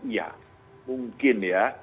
iya mungkin ya